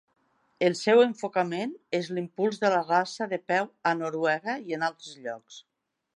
El seu enfocament és l'impuls de la raça de peu a Noruega i en altres llocs.